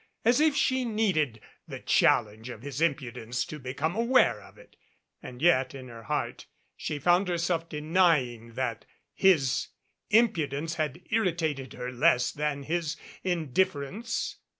As if she needed the challenge of his impudence to become aware of it! And yet in her heart she found herself de nying that his impudence had irritated her less than his indifference.